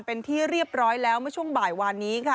เป็นที่เรียบร้อยแล้วเมื่อช่วงบ่ายวานนี้ค่ะ